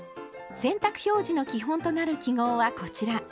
洗濯表示の基本となる記号はこちら。